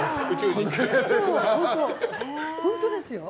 本当ですよ。